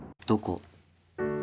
どこ？